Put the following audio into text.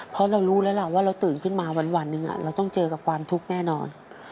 เพราะเรารู้แล้วล่ะว่าเราตื่นขึ้นมาวันหนึ่งเราต้องเจอกับความทุกข์แน่นอน